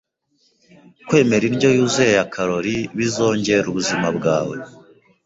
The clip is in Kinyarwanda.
Kwemera indyo yuzuye ya calorie bizongera ubuzima bwawe.